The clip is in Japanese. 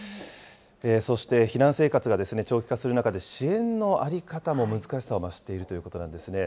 そして避難生活が長期化する中で、支援の在り方も難しさを増しているということなんですね。